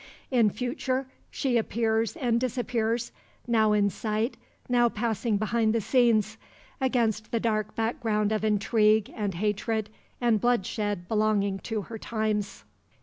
In future she appears and disappears, now in sight, now passing behind the scenes, against the dark background of intrigue and hatred and bloodshed belonging to her times.